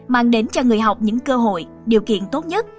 mang đến cho người học những cơ hội điều kiện tốt nhất